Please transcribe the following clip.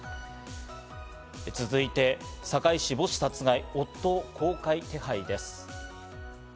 続いて、堺市母子殺害、夫を公開手配です。